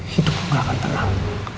hidup gua gak akan tenang